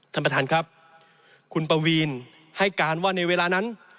ท่านประธานครับคุณปวีนให้การว่าในเวลานั้น